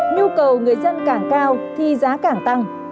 nhu cầu người dân càng cao thì giá càng tăng